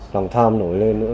lòng tham nổi lên nữa